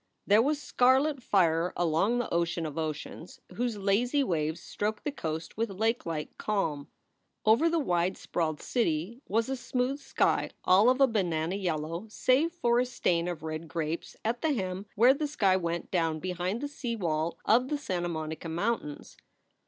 There was scarlet fire along the ocean of oceans, whose lazy waves stroked the coast with lakelike calm. Over the wide sprawled city was a smooth sky all of a banana yellow, save for a stain of red grapes at the hem where the sky went down behind the sea wall of the Santa Monica Mountains.